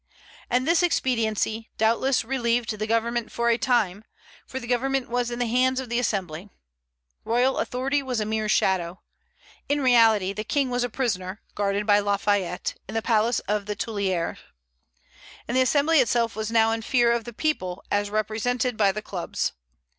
And this expediency, doubtless, relieved the government for a time, for the government was in the hands of the Assembly. Royal authority was a mere shadow. In reality, the King was a prisoner, guarded by Lafayette, in the palace of the Tuileries. And the Assembly itself was now in fear of the people as represented by the clubs.